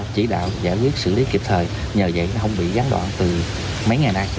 hợp chỉ đạo giải quyết xử lý kịp thời nhờ vậy không bị gắn đoạn từ mấy ngày này